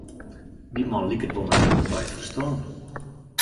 Dy man liket wol net goed by it ferstân.